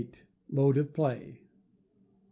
Mode of Play. i.